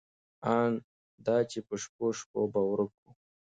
ان دا چې په شپو شپو به ورک و.